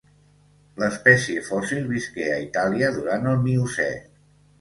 L'espècie fòssil visqué a Itàlia durant el Miocè.